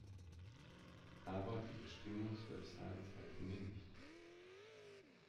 Aber die Bestimmungswebsites helfen mir nicht.